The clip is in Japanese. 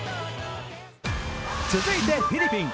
続いてフィリピン。